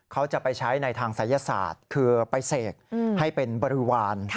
เขาจะไปใช้ในทางศัยศาสตร์คือไปเสกให้เป็นบริวาร